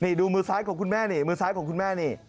นี่ดูมือซ้ายของคุณแม่นี่มือซ้ายของคุณแม่นี่